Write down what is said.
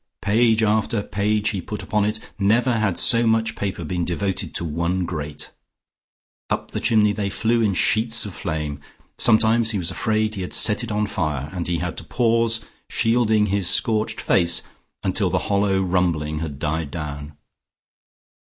Page after page he put upon it; never had so much paper been devoted to one grate. Up the chimney they flew in sheets of flame; sometimes he was afraid he had set it on fire, and he had to pause, shielding his scorched face, until the hollow rumbling had died down.